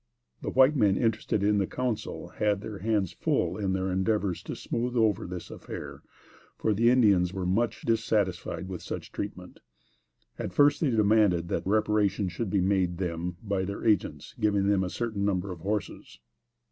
The white men interested in the council had their hands full in their endeavors to smooth over this affair, for the Indians were much dissatisfied with such treatment. At first they demanded that reparation should be made them by their agents giving them a certain number of horses.